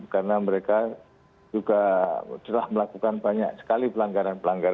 karena mereka juga telah melakukan banyak sekali pelanggaran